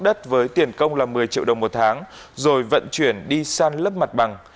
đất với tiền công là một mươi triệu đồng một tháng rồi vận chuyển đi san lấp mặt bằng